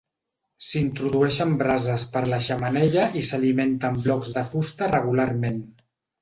S'introdueixen brases per la xemeneia i s'alimenta amb blocs de fusta regularment.